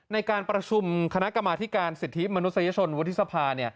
ในการประชุมคณะกรรมาธิการสิทธิมนุษยชนวุฒิสภา